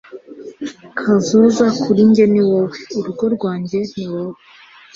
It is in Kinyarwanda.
Kazoza kuri njye niwowe , Urugo rwanjye ni wowe.